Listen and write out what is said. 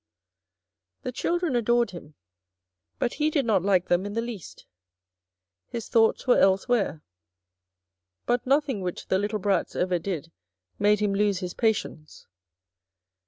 The children adored him, but he did not like them in the least. His thoughts were elsewhere. But nothing which the little brats ever did made him lose his patience.